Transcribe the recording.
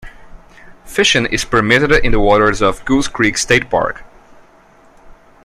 Fishing is permitted in the waters of Goose Creek State Park.